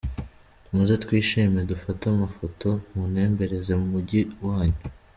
Muze twishime, dufate amafoto, muntembereze umujyi wanyu.